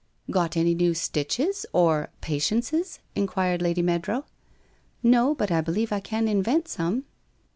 ' Got any new stitches, or Patiences ?' enquired Lady Meadrow. * No, but I believe I can invent some.'